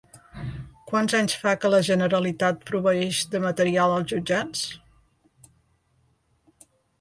Quants anys fa que la Generalitat proveeix de material als Jutjats?